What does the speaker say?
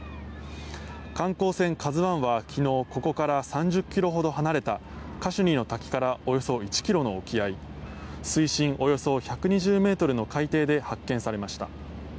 観光船「ＫＡＺＵ１」は昨日ここから３０ｋｍほど離れたカシュニの滝からおよそ１ｋｍの沖合水深およそ１２０ｍの海底で発見されました。